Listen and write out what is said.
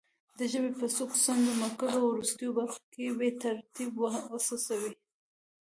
د ژبې په څوکه، څنډو، مرکز او وروستۍ برخو کې په ترتیب وڅڅوي.